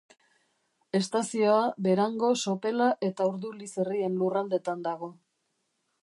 Estazioa Berango, Sopela eta Urduliz herrien lurraldetan dago.